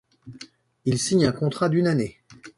Il signe un contrat d’une année.